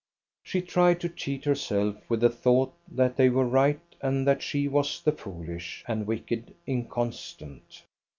She tried to cheat herself with the thought that they were right and that she was the foolish and wicked inconstant.